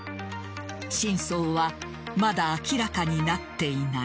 真相はまだ明らかになっていない。